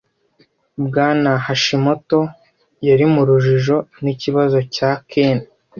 Bwana Hashimoto yari mu rujijo n'ikibazo cya Ken.